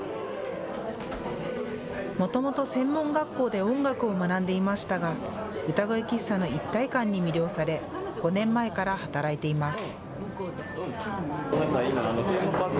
もともと専門学校で音楽を学んでいましたが歌声喫茶の一体感に魅了され５年前から働いています。